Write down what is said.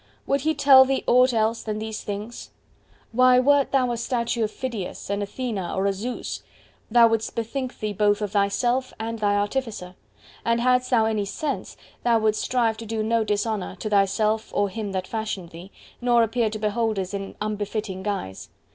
Would He tell thee aught else than these things? Why, wert thou a statue of Phidias, an Athena or a Zeus, thou wouldst bethink thee both of thyself and thine artificer; and hadst thou any sense, thou wouldst strive to do no dishonour to thyself or him that fashioned thee, nor appear to beholders in unbefitting guise.